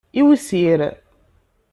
Iwsir.